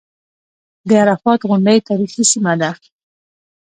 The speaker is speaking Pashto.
د عرفات غونډۍ تاریخي سیمه ده.